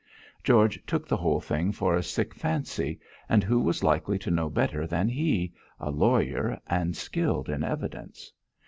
George took the whole thing for a sick fancy, and who was likely to know better than he a lawyer, and skilled in evidence?